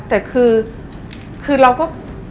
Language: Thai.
แต่คือเราก็